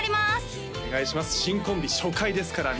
新コンビ初回ですからね